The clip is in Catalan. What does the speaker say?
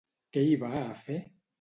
Què hi va a fer?